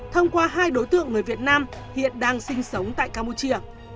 thông qua hai đối tượng người việt nam hiện đang sinh sống tại campuchia